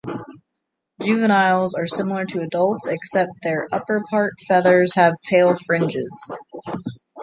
Juveniles are similar to adults except their upperpart feathers have pale fringes.